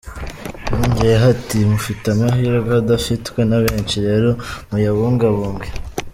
Yongeyeho ati “Mufite amahirwe adafitwe na benshi rero muyabungabunge.